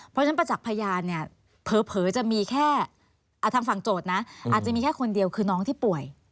เพราะฉะนั้นประจักษ์พยานเนี่ยเผลอจะมีแค่ทางฝั่งโจทย์นะอาจจะมีแค่คนเดียวคือน้องที่ป่วย